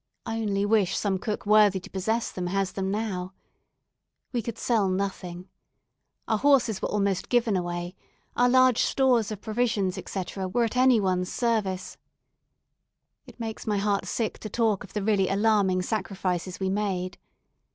I only wish some cook worthy to possess them has them now. We could sell nothing. Our horses were almost given away, our large stores of provisions, etc., were at any one's service. It makes my heart sick to talk of the really alarming sacrifices we made.